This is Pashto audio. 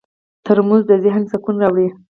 ترموز د ذهن سکون راوړي.